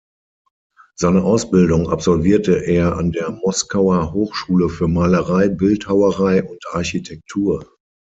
Seine Ausbildung absolvierte er an der Moskauer Hochschule für Malerei, Bildhauerei und Architektur.